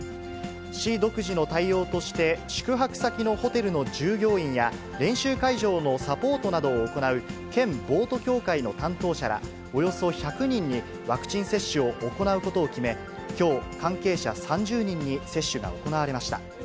市独自の対応として、宿泊先のホテルの従業員や、練習会場のサポートなどを行う県ボート協会の担当者らおよそ１００人に、ワクチン接種を行うことを決め、きょう、関係者３０人に接種が行われました。